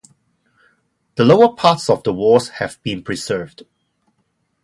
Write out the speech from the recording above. The lower parts of the walls have been preserved.